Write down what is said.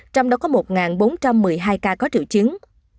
trong đó có một bốn trăm một mươi hai ca có triệu chứng